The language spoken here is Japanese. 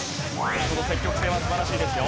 この積極性は素晴らしいですよ。